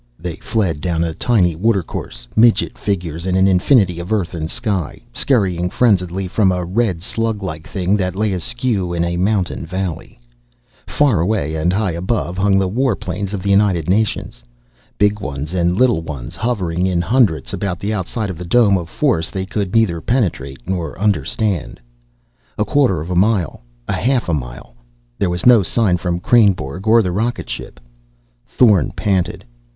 They fled down a tiny water course, midget figures in an infinity of earth and sky, scurrying frenziedly from a red slug like thing that lay askew in a mountain valley. Far away and high above hung the war planes of the United Nations. Big ones and little ones, hovering in hundreds about the outside of the dome of force they could neither penetrate nor understand. A quarter of a mile. Half a mile. There was no sign from Kreynborg or the rocket ship. Thorn panted.